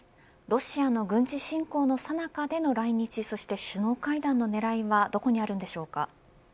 ロシアの軍事侵攻のさなかでの来日そして首脳会談の狙いはどこにあるのでしょうか。